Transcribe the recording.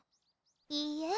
いいえ